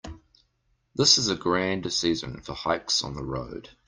This is a grand season for hikes on the road.